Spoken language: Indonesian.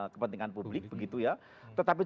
kepentingan publik begitu ya tetapi